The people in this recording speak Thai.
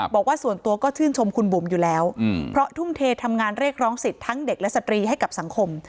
บอกว่าส่วนตัวก็ชื่นชมคุณบุ๋มอยู่แล้วเพราะทุ่มเททำงานเรียกร้องสิทธิ์ทั้งเด็กและสตรีให้กับสังคม